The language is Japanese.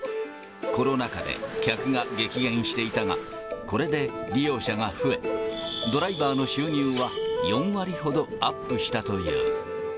コロナ禍で客が激減していたが、これで利用者が増え、ドライバーの収入は４割ほどアップしたという。